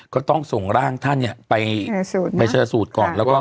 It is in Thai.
ก็ต้องส่งร่างท่านเนี่ยไปชนะสูตรก่อนแล้วก็